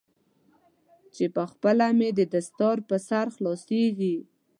چې پخپله مې دستار پر سر خلاصیږي.